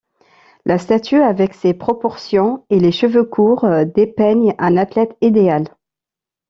La statue avec ses proportions et les cheveux courts dépeignent un athlète idéal.